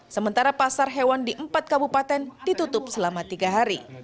sementara pasar hewan di empat kabupaten ditutup selama tiga hari